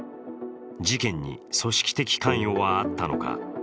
事件に組織的関与はあったのか。